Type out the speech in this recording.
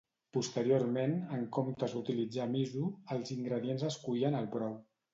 Posteriorment, en comptes d'utilitzar miso, els ingredients es coïen al brou.